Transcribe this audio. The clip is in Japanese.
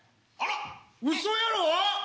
ウソやろ！